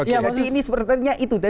jadi ini sepertinya itu